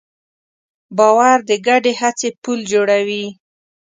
باور د ګډې هڅې پُل جوړوي.